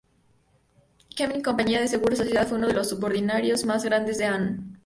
Combined compañía de seguros asociada fue uno de los subsidiarios más grandes de Aon.